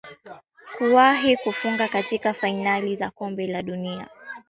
kuwahi kufunga katika fainali za kombe la dunia